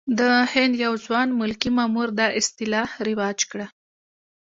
د هند یو ځوان ملکي مامور دا اصطلاح رواج کړه.